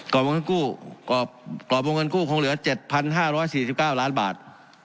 กรอบโมงเงินกู้คงเหลือเจ็ดพันห้าร้อยสี่สิบเก้าล้านบาท